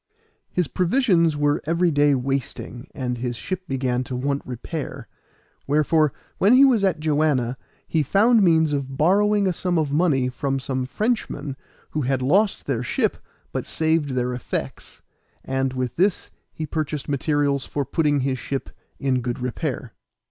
His provisions were every day wasting, and his ship began to want repair; wherefore, when he was at Joanna, he found means of borrowing a sum of money from some Frenchmen who had lost their ship, but saved their effects, and with this he purchased materials for putting his ship in good repair.